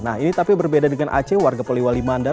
nah ini tapi berbeda dengan aceh warga poliwali mandar